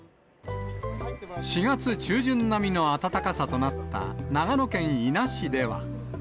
４月中旬並みの暖かさとなった長野県伊那市では。